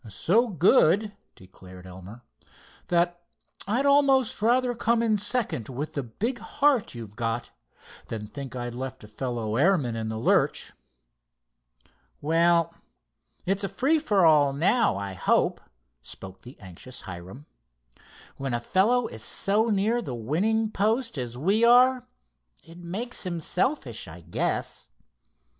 "So good," declared Elmer; "that I'd almost rather come in second with the big heart you've got, than think I'd left a fellow airman in the lurch." "Well, it's a free for all now, I hope," spoke the anxious Hiram. "When a fellow is so near the winning post as we are, it makes him selfish, I guess.